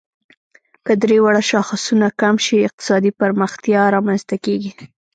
که درې واړه شاخصونه کم شي، اقتصادي پرمختیا رامنځ ته کیږي.